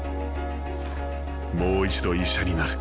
もう一度医者になる。